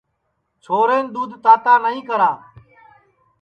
چھورین دؔودھ تاتا نائی کرا